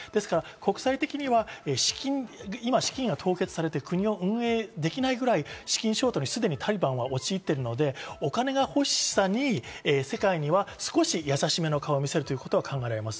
国際的には今、資金が凍結されて国が運営できないぐらい資金ショートにタリバンが陥っているので、お金欲しさに世界には少しやさしめの顔を見せるということは考えられます。